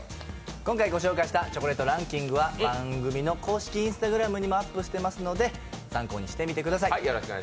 今回御紹介したチョコレートランキングは番組の公式Ｉｎｓｔａｇｒａｍにもアップにしていますので参考にしてみてください。